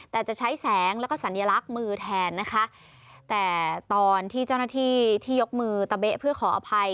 แต่จะใช้แสงแล้วก็สัญลักษณ์มือแทนนะคะแต่ตอนที่เจ้าหน้าที่ที่ยกมือตะเบ๊ะเพื่อขออภัย